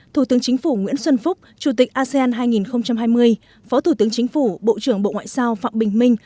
thủ tướng chính phủ nguyễn xuân phúc chủ tịch asean hai nghìn hai mươi phó thủ tướng chính phủ bộ trưởng bộ ngoại giao phạm bình minh